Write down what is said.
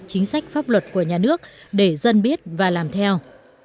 chính sách pháp luật của nhà nước để dân biết và làm theo